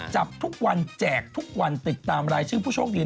จับทุกวันแจกทุกวันติดตามรายชื่อผู้โชคดี